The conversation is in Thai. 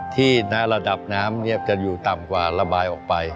ที่ระดับน้ำจะอยู่ต่ำกว่าระบายออกไป